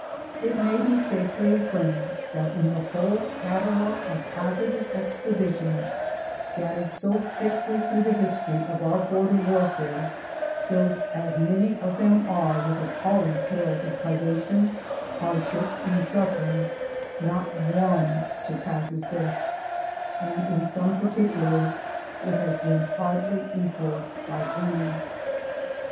It may be safely affirmed that, in the whole catalogue of haz ardous expeditions scattered so thickly through the history of our border warfare, filled as many of them are with ap palling tales of privation, hardship, and suffering, not one surpasses this, and in some particulars it has been hardly equaled by any.